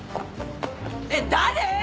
えっ誰！？